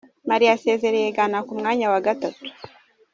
Mali yasezereye Ghana ku mwanya wa gatatu